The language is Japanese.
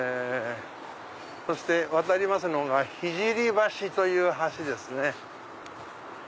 そして渡りますのが「ひじりはし」という橋ですね。